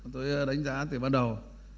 tôi đánh giá từ ban đầu